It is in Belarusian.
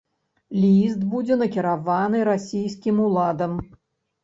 Ліст будзе накіраваны расійскім уладам.